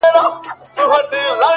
خيال ويل ه مـا پــرې وپاسه!!